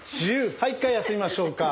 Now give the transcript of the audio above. はい一回休みましょうか。